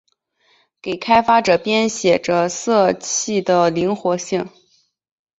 给开发者编写着色器的灵活性。